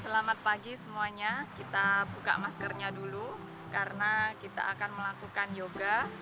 selamat pagi semuanya kita buka maskernya dulu karena kita akan melakukan yoga